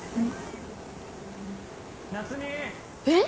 えっ！？